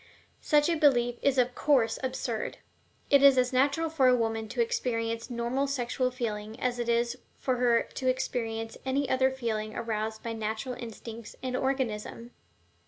Such a belief is of course absurd. It is as natural for a woman to experience normal sexual feeling as it is for her to experience any other feeling aroused by natural instincts and organism.